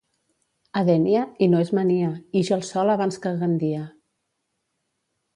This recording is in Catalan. A Dénia, i no és mania, ix el sol abans que a Gandia.